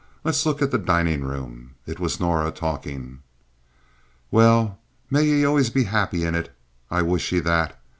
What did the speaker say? Let's look at the dining room." It was Norah talking. "Well, may ye always be happy in it. I wish ye that.